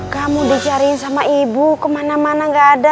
kamu dicari sama ibu kemana mana gak ada